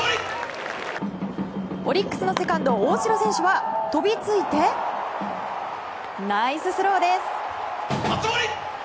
オリックスのセカンド大城選手は飛びついてナイススローです。